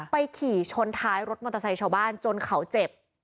ขี่ชนท้ายรถมอเตอร์ไซค์ชาวบ้านจนเขาเจ็บ